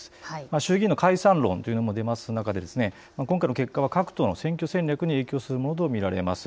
衆議院の解散論というのも出る中で今回の結果は各党の選挙戦略に影響するものと見られます。